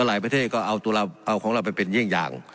หลายประเทศก็เอาตัวเราเอาของเราไปเป็นเยี่ยงอย่าง